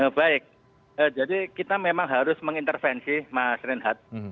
baik jadi kita memang harus mengintervensi masrinat